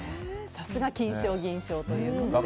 さすが金賞、銀賞ということで。